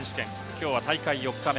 今日は大会４日目。